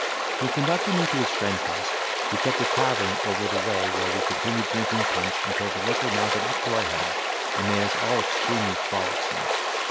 He conducted me to his friend's house, who kept a tavern over the way where we continued drinking punch, until the liquor mounted up to our heads, and made us all extremely frolicsome.